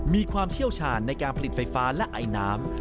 มีความเชี่ยวชาญในการผลิตไฟฟ้าและไอน้ำ